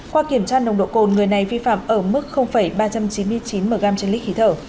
qua kiểm tra nồng độ cồn người này vi phạm ở mức ba trăm chín mươi chín mg trên lít khí thở